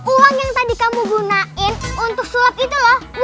uang yang tadi kamu gunain untuk sulap itu loh